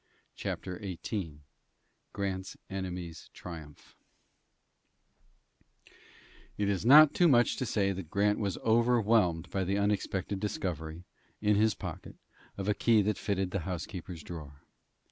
CHAPTER XVIII GRANT'S ENEMIES TRIUMPH It is not too much to say that Grant was overwhelmed by the unexpected discovery, in his pocket, of a key that fitted the housekeeper's drawer.